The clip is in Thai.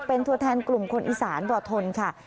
เป็นตัวแทนกลุ่มคนอีสานบ่อทนค่ะ